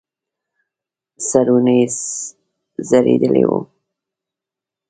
سرونه يې ځړېدلې وو.